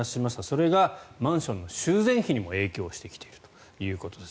それがマンションの修繕費にも影響してきているということです。